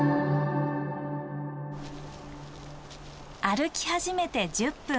歩き始めて１０分。